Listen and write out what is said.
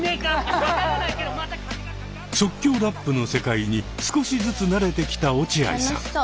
即興ラップの世界に少しずつ慣れてきた落合さん。